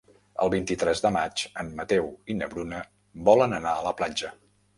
El vint-i-tres de maig en Mateu i na Bruna volen anar a la platja.